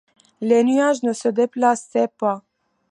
Les nuages ne se déplaçaient pas.